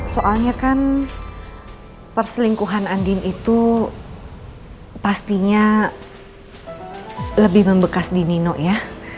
soalnya kan perselingkuhan andin itu pastinya lebih membekas di nino ya